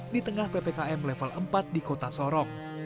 di tengah ppkm level empat di kota sorong